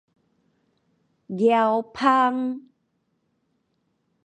爪枋